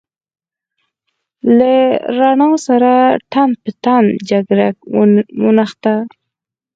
له رڼا سره تن په تن جګړه ونښته.